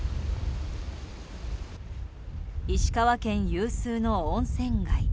石川県有数の温泉街。